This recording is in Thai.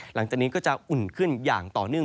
หลังจากนี้ก็จะอุ่นขึ้นอย่างต่อเนื่อง